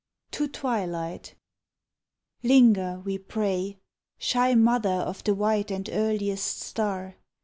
TO TWILIGHT Linger, we pray, Shy mother of the white and earliest star!